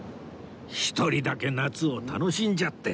一人だけ夏を楽しんじゃって